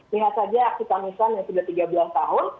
lihat saja aksi kamisan yang sudah tiga belas tahun